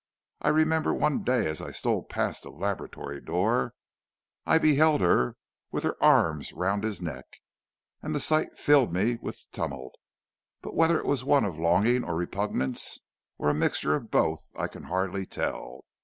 I remember one day as I stole past the laboratory door, I beheld her with her arms round his neck, and the sight filled me with tumult, but whether it was one of longing or repugnance, or a mixture of both, I can hardly tell.